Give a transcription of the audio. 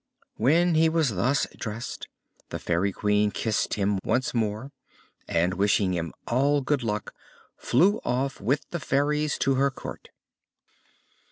When he was thus dressed, the Fairy Queen kissed him once more, and, wishing him all good luck, flew off with the fairies to her Court.